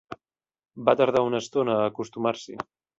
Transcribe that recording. Va tardar una estona a acostumar-s'hi.